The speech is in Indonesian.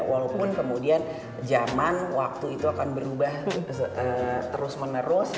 walaupun kemudian zaman waktu itu akan berubah terus menerus